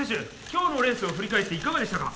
今日のレースを振り返っていかがでしたか？